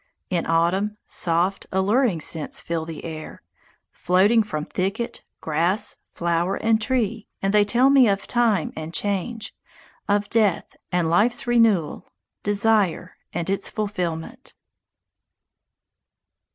In autumn, soft, alluring scents fill the air, floating from thicket, grass, flower, and tree, and they tell me of time and change, of death and life's renewal, desire and its fulfilment.